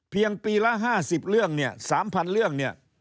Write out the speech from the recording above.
ปีละ๕๐เรื่องเนี่ย๓๐๐เรื่องเนี่ย